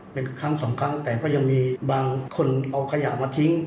เป็นครั้งสองครั้งแต่ก็ยังมีบางคนเอาขยะมาทิ้ง